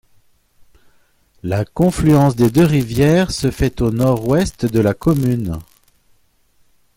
La confluence des deux rivières se fait au nord-ouest de la commune.